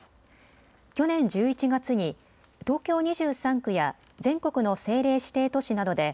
去年１１月に東京２３区や全国の政令指定都市などで